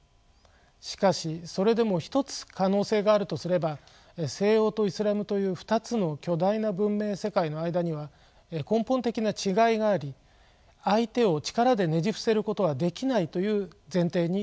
しかしそれでも１つ可能性があるとすれば西欧とイスラムという２つの巨大な文明世界の間には根本的な違いがあり相手を力でねじ伏せることはできないという前提に立つことです。